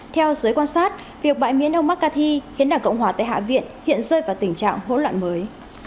theo giới quan sát việc bãi miến ông mccarthy khiến đảng cộng hòa tại hạ viện hiện rơi vào tình trạng hỗn loạn mới